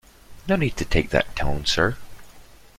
No need to take that tone sir.